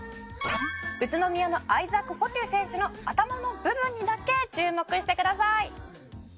「宇都宮のアイザック・フォトゥ選手の頭の部分にだけ注目してください」